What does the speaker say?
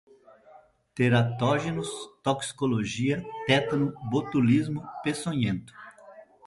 teratógenos, toxicologia, tétano, botulismo, peçonhento